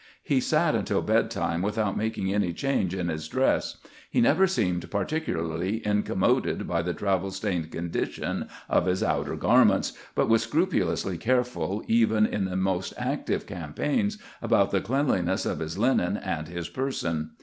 He sat untU bedtime without making any change in his dress; he never seemed particularly incommoded by the travel stained condition of his outer garments, but was scrupulously careful, even in the most active campaigns, about the cleanliness of his linen and his person.